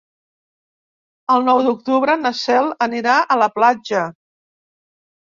El nou d'octubre na Cel anirà a la platja.